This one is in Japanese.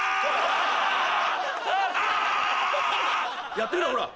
やってみろほら。